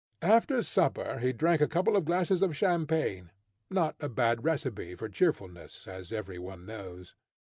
After supper he drank a couple of glasses of champagne not a bad recipe for cheerfulness, as every one knows.